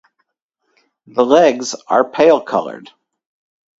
The legs are pale coloured.